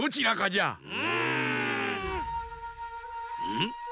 うん？